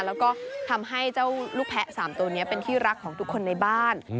แล้วก็ทำให้เจ้าลูกแพะ๓ตัวนี้เป็นที่รักของทุกคนในบ้าน